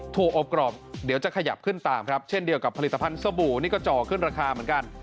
อบกรอบเดี๋ยวจะขยับขึ้นตามครับเช่นเดียวกับผลิตภัณฑ์สบู่นี่ก็จ่อขึ้นราคาเหมือนกัน